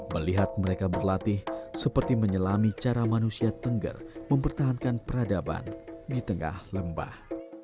melihat mereka berlatih seperti menyelami cara manusia tengger mempertahankan peradaban di tengah lembah